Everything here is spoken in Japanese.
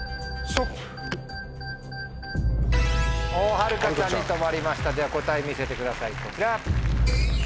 はるかちゃんに止まりましたでは答え見せてくださいこちら。